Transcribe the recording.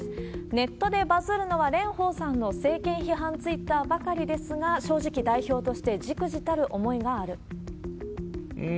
ネットでバズるのは蓮舫さんの政権批判ツイッターばかりですが、正直、代表としてじくじたる思いがある？